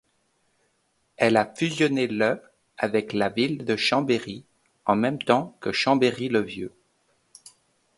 Elle a fusionné le avec la ville de Chambéry, en même temps que Chambéry-le-Vieux.